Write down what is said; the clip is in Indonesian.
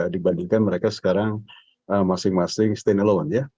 dibandingkan mereka sekarang masing masing stand alone ya